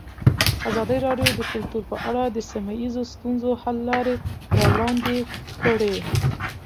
ازادي راډیو د کلتور په اړه د سیمه ییزو ستونزو حل لارې راوړاندې کړې.